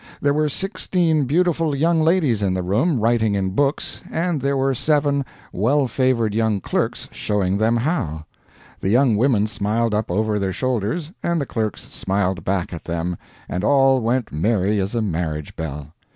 There were sixteen beautiful young ladies in the room, writing in books, and there were seven well favored young clerks showing them how. The young women smiled up over their shoulders, and the clerks smiled back at them, and all went merry as a marriage bell.